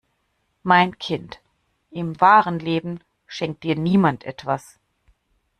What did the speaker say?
Mein Kind, im wahren Leben schenkt dir niemand etwas.